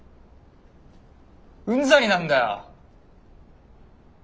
うんざりなんだよ。